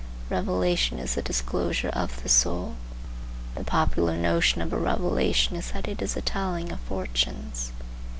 Revelation is the disclosure of the soul. The popular notion of a revelation is that it is a telling of fortunes.